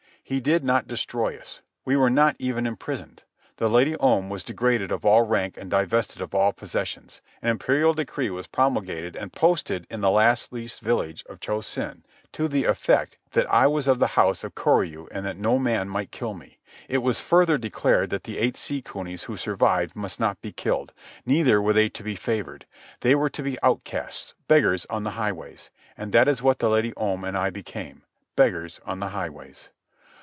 He did not destroy us. We were not even imprisoned. The Lady Om was degraded of all rank and divested of all possessions. An imperial decree was promulgated and posted in the last least village of Cho Sen to the effect that I was of the house of Koryu and that no man might kill me. It was further declared that the eight sea cunies who survived must not be killed. Neither were they to be favoured. They were to be outcasts, beggars on the highways. And that is what the Lady Om and I became, beggars on the highways.